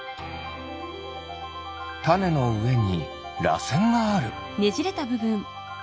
タネのうえにらせんがある。